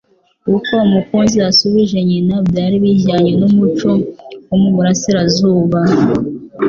Uko Umukiza yashubije nyina byari bijyanye n’umuco wo mu Burasirazuba.